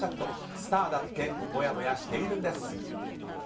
スターだってもやもやしてるんです！